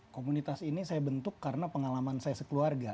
komunitas ini saya bentuk karena pengalaman saya sekeluarga